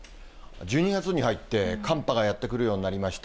１２月に入って、寒波がやって来るようになりました。